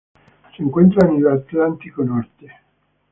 Se encuentra en el Atlántico norte.